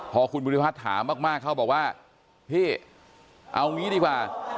พอคุณบุริพัฒน์ถามมากเขาบอกว่าพี่เอางี้ดีกว่า